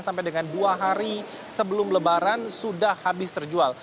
sampai dengan dua hari sebelum lebaran sudah habis terjual